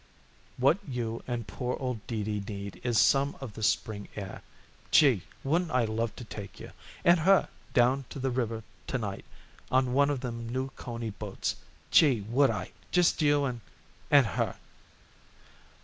"What you and poor old Dee Dee need is some of this spring air. Gee! wouldn't I love to take you and her down the river to night on one of them new Coney boats? Gee! would I? Just you and and her."